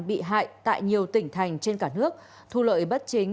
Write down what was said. bị hại tại nhiều tỉnh thành trên cả nước thu lợi bất chính